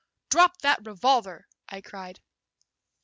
"Drop that revolver!" I cried.